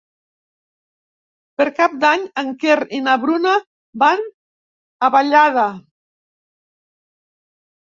Per Cap d'Any en Quer i na Bruna van a Vallada.